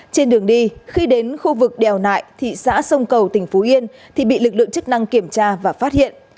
trên đường đi khi đến khu vực đèo nại thị xã sông cầu tỉnh phú yên thì bị lực lượng chức năng kiểm tra và phát hiện